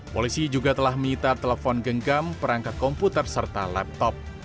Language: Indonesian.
polisi juga telah menyita telepon genggam perangkat komputer serta laptop